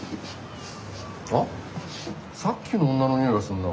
あっさっきの女の匂いがするな。